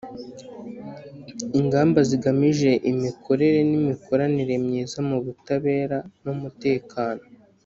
ingamba zigamije imikorere n'imikoranire myiza mu butabera n'umutekano